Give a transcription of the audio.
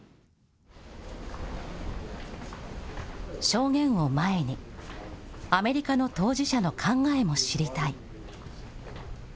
証言を前に、アメリカの当事者の考えも知りたい。